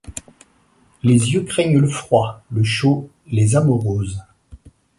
Les yeux craignent le froid, le chaud, les amauroses